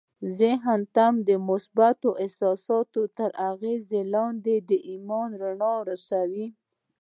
ذهن ته مو د مثبتو احساساتو تر اغېز لاندې د ايمان رڼا ورسوئ.